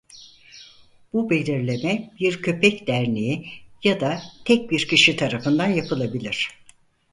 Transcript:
Bu belirleme bir köpek derneği ya da tek bir kişi tarafından yapılabilir.